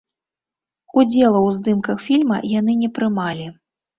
Удзела ў здымках фільма яны не прымалі.